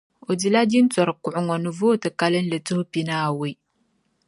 O di la jintɔri kuɣu ŋɔ ni vooti kalinli tuhi pia ni awɔi.